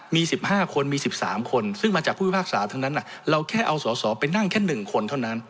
มี๑๕คนมี๑๓คนซึ่งมาจากผู้พิพากษาทั้งนั้นเราแค่เอาสอสอไปนั่งแค่๑คนเท่านั้น